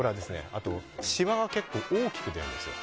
あと、しわが結構大きく出るんですよ。